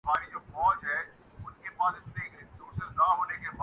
آج مجھے اپنی انکھوں پر رشک ہو رہا تھا